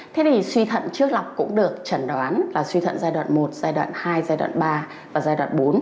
thế thì suy thận trước lọc cũng được chẩn đoán là suy thận giai đoạn một giai đoạn hai giai đoạn ba và giai đoạn bốn